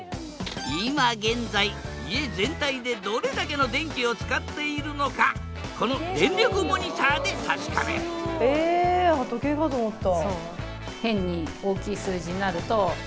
今現在家全体でどれだけの電気を使っているのかこの電力モニターで確かめるえ時計かと思った。